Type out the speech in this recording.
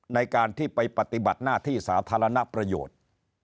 ในการที่ไปปฏิบัติหน้าที่สาธารณประโยชน์